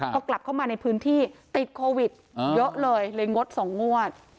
พอกลับเข้ามาในพื้นที่ติดโควิดเยอะเลยเลยงด๒งวด